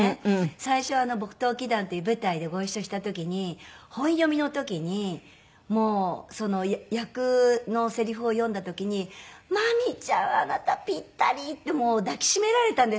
最初『墨東綺譚』っていう舞台でご一緒した時に本読みの時にもう役のせりふを読んだ時に「真実ちゃんあなたぴったり！」って抱き締められたんです。